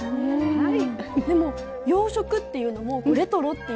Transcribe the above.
はい。